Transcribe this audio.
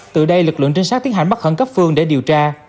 từ đây lực lượng trinh sát tiến hành bắt khẩn cấp phương để điều tra